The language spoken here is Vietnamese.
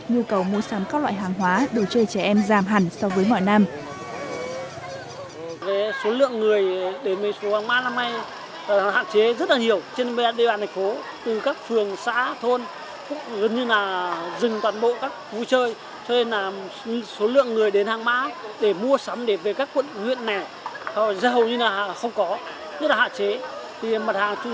nhu cầu mua sắm các loại hàng hóa đồ chơi trẻ em giảm hẳn so với mọi năm